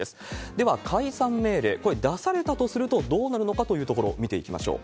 では、解散命令、これ、出されたとするとどうなるのかというところ、見ていきましょう。